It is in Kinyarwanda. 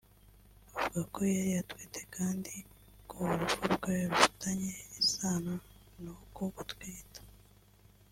avuga ko yari atwite kandi ko urupfu rwe rufitanye isano n’uku gutwita